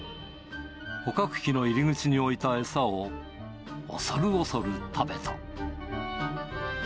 捕獲器の入り口に置いた餌を恐る恐る食べた。